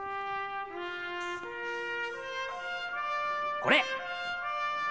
これ。